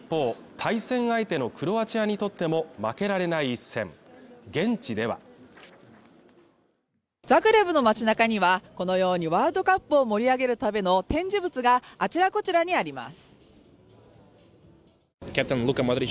対戦相手のクロアチアにとっても負けられない一戦現地ではザグレブの街中にはこのようにワールドカップを盛り上げるための展示物があちらこちらにあります